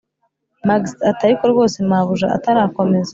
max ati: ariko rwose mabuja…… atarakomeza,